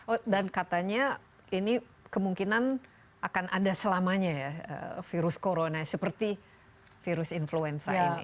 oh dan katanya ini kemungkinan akan ada selamanya ya virus corona seperti virus influenza ini